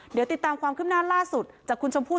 เดี๋ยวติดตามความขึ้นผนาลล่าสุดจากคุณหลวงจนกรุงจำปุง